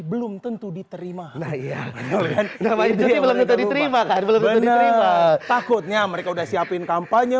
belum tentu diterima nah iya namanya dia belum diterima takutnya mereka udah siapin kampanye